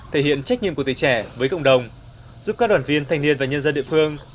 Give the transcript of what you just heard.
thể hiện trách nhiệm của tuổi trẻ với cộng đồng giúp các đoàn viên thanh niên và nhân dân địa phương